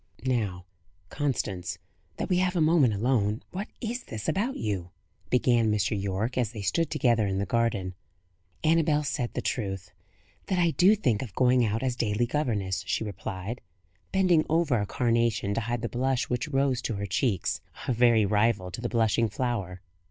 "Now, Constance, that we have a moment alone, what is this about you?" began Mr. Yorke, as they stood together in the garden. "Annabel said the truth that I do think of going out as daily governess," she replied, bending over a carnation to hide the blush which rose to her cheeks, a very rival to the blushing flower.